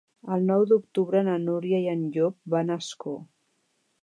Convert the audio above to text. El nou d'octubre na Núria i en Llop van a Ascó.